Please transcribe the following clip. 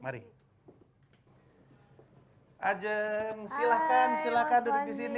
ajeng silahkan duduk di sini